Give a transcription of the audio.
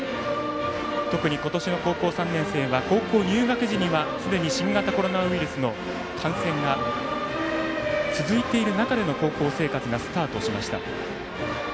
特に、今年の高校３年生は高校入学時にはすでに新型コロナウイルスの感染が続いている中での高校生活がスタートしました。